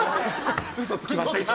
嘘つきました、今。